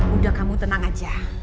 udah kamu tenang aja